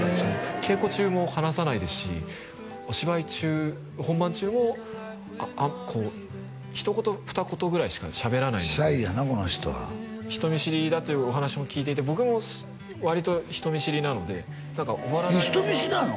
稽古中も話さないですしお芝居中本番中もこう一言二言ぐらいしかしゃべらないシャイやなこの人は人見知りだというお話も聞いていて僕も割と人見知りなので人見知りなの？